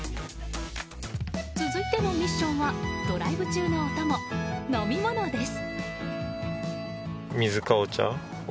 続いてのミッションはドライブ中のお供、飲み物です。